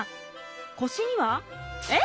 腰にはえっ？